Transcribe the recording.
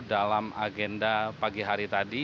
dalam agenda pagi hari tadi